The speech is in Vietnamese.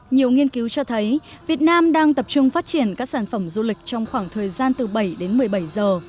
nhiều nghiên cứu cho thấy việt nam đang tập trung phát triển các sản phẩm du lịch trong khoảng thời gian từ bảy đến một mươi bảy giờ